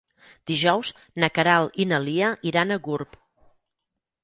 Dijous na Queralt i na Lia iran a Gurb.